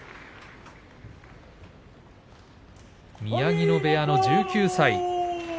宮城野部屋の１９歳。